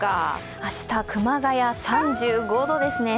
明日、熊谷３５度ですね。